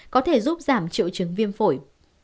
có thể giúp giảm triệu chứng viêm phổi